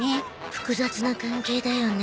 複雑な関係だよね。